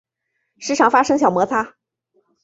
时常发生小摩擦